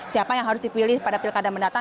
siapa yang harus dipilih pada pilkada mendatang